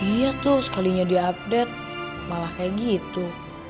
iya tuh sekalinya dia update malah kayak gitu